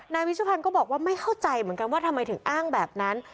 วิชพันธ์ก็บอกว่าไม่เข้าใจเหมือนกันว่าทำไมถึงอ้างแบบนั้น